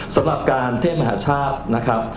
สำหรับการเทศมหาชาตินะครับ